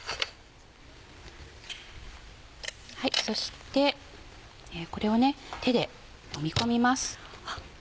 そしてこれを手でもみ込みます。